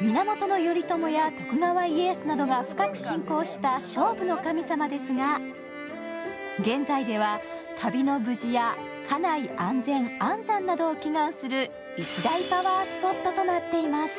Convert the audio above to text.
源頼朝や徳川家康などが深く信仰した勝負の神様ですが現在では、旅の無事や家内安全・安産などを祈願する一大パワースポットとなっています。